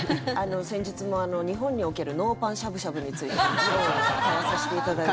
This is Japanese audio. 先日も日本におけるノーパンしゃぶしゃぶについて議論を交わさせていただいたり。